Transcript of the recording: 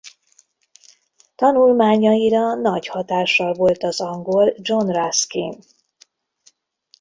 Tanulmányaira nagy hatással volt az angol John Ruskin.